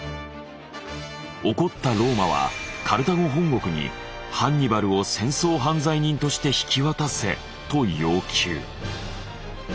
怒ったローマはカルタゴ本国に「ハンニバルを戦争犯罪人として引き渡せ」と要求。